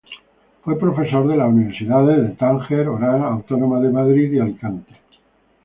Fue profesor de las universidades de Tánger, Orán, Autónoma de Madrid, y Alicante.